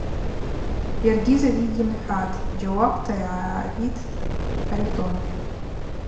Йаргьи закӏгьи гьйымхӏватӏ,–джьауапта йгӏариттӏ Харитон.